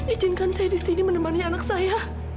izinkan saya di sini menemani anak saya